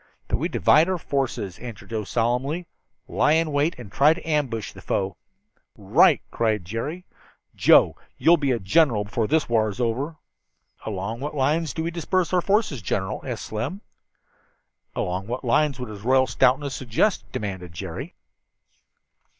"That we divide our forces," answered Joe solemnly, "lie in wait and try to ambush the foe." "Right!" cried Jerry. "Joe, you'll be a general before this war's over." "Along what lines do we disperse our forces, General?" asked Slim. "Along what lines would His Royal Stoutness suggest?" demanded Jerry.